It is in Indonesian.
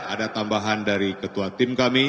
ada tambahan dari ketua tim kami